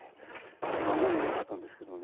孫にもらったんですけどね。